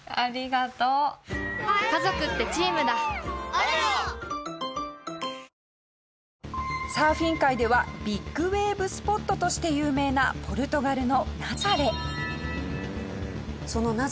俺がこの役だったのにサーフィン界ではビッグウェーブスポットとして有名なポルトガルのナザレ。